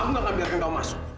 aku gak akan biarkan kamu masuk